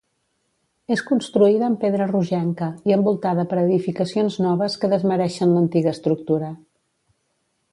És construïda amb pedra rogenca, i envoltada per edificacions noves que desmereixen l'antiga estructura.